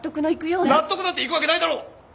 納得なんていくわけないだろう。